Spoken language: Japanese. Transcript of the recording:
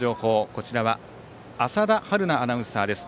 こちらは浅田春奈アナウンサーです。